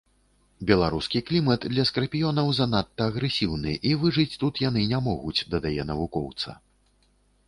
Беларускі клімат для скарпіёнаў занадта агрэсіўны, і выжыць тут яны не могуць, дадае навукоўца.